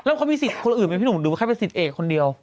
แล้วเขามีศิลป์คนอื่นไหมหนุ่มดูว่าแค่เป็นศิลป์เอกคนเดียว